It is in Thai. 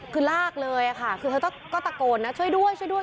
คือลากเลยค่ะคือเธอก็ตะโกนนะช่วยด้วยช่วยด้วย